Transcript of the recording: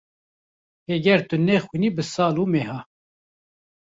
Heger tu nexwînî bi sal û meha.